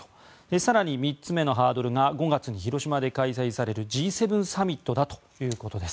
更に、３つ目のハードルが５月に広島で開催されるＧ７サミットだということです。